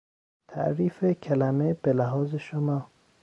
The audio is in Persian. تعریف کلمه به لحاظ شما